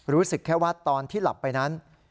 รู้สึกแค่ว่าตอนที่หลับไปนั้น